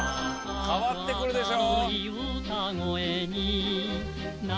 変わってくるでしょ。